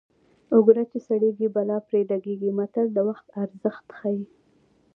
اوګره چې سړېږي بلا پرې لګېږي متل د وخت ارزښت ښيي